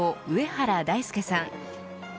上原大祐さん。